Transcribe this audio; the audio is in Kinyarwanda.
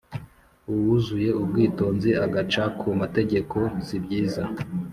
uwuzuye ubwitonzi agaca ku mategeko sibyiza